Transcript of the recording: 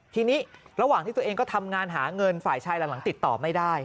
ทีนี้ระหว่างที่ตัวเองก็ทำงานหาเงินฝ่ายชายหลังติดต่อไม่ได้